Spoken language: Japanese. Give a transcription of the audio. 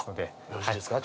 よろしいですか。